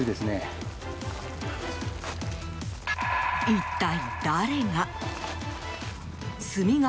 一体、誰が。